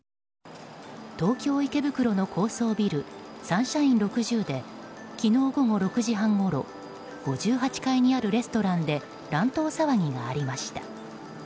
東京・池袋の高層ビルサンシャイン６０で昨日午後６時半ごろ５８階にあるレストランで乱闘騒ぎがありました。